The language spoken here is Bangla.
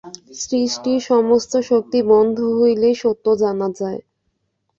সৃষ্টির সমস্ত শক্তি বন্ধ হইলেই সত্য জানা যায়।